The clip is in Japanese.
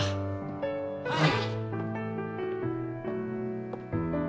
はい。